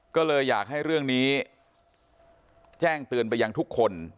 ก็เลยอยากให้เรื่องนี้แจ้งเตือนไปยังทุกคน